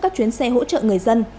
các chuyến xe hỗ trợ người dân